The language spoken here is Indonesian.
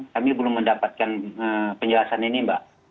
kami belum mendapatkan penjelasan ini mbak